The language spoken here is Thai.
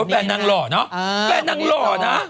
แฟนนางหล่อเนอะแฟนนางหล่อนะ